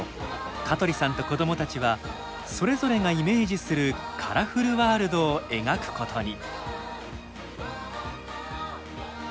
香取さんと子供たちはそれぞれがイメージするカラフルワールドを描くことに。